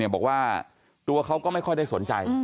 บอกว่าตัวเขาก็ไม่ได้สะใจ